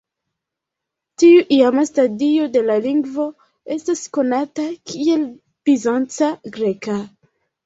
Tiu iama stadio de la lingvo estas konata kiel bizanca greka.